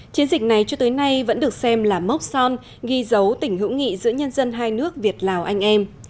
chiến dịch này cho tới nay vẫn được xem là mốc son ghi dấu tỉnh hữu nghị giữa nhân dân hai nước việt lào anh em